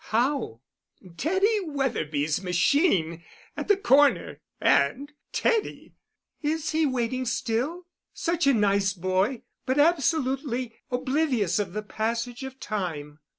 "How?" "Teddy Wetherby's machine—at the corner—and Teddy." "Is he waiting still? Such a nice boy—but absolutely oblivious of the passage of time."